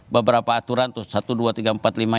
beberapa aturan satu dua tiga empat lima itu